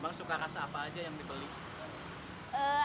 emang suka rasa apa aja yang dibeli